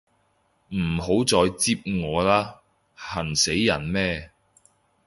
唔好再擳我啦，痕死人咩